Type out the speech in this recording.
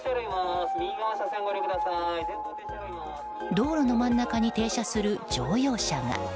道路の真ん中に停車する乗用車が。